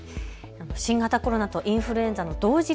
新型コロナとインフルエンザの同時